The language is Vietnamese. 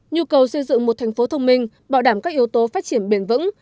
nhu cầu xây dựng một thành phố thông minh bảo đảm các yếu tố phát triển bền vững